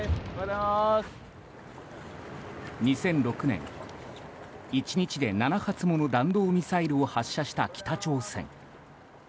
２００６年、１日で７発もの弾道ミサイルを発射した北朝鮮。